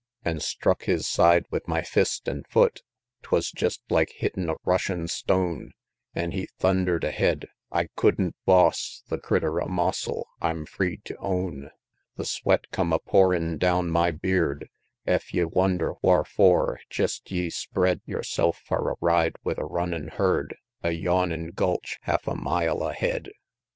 An' struck his side with my fist an' foot 'Twas jest like hittin' a rushin' stone, An' he thunder'd ahead I couldn't boss The critter a mossel, I'm free tew own. The sweat come a pourin' down my beard; Ef ye wonder wharfor, jest ye spread Yerself far a ride with a runnin' herd, A yawnin' gulch half a mile ahead. XXXIX.